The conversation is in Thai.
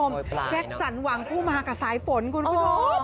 สวยปลายเนอะแจ๊กสั่นหวังผู้มากับสายฟนคุณผู้ชม